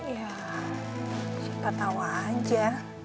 ya siapa tau aja